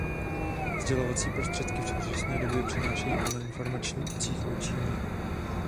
Sdělovací prostředky v současné době přinášejí plno informací o Číně.